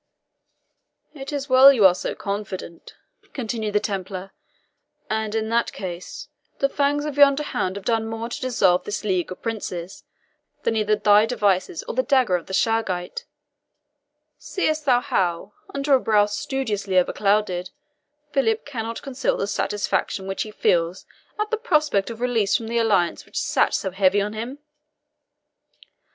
"It is well you are so confident," continued the Templar; "and, in that case, the fangs of yonder hound have done more to dissolve this league of princes than either thy devices or the dagger of the Charegite. Seest thou how, under a brow studiously overclouded, Philip cannot conceal the satisfaction which he feels at the prospect of release from the alliance which sat so heavy on him?